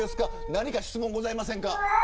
何か質問ありませんか。